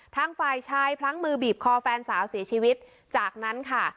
ทางฝ่ายชายพลั้งมือบีบคอแฟนสาวเสียชีวิตจากนั้นค่ะ